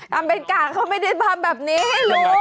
ทำเป็นกะเขาไม่ได้ทำแบบนี้ลุง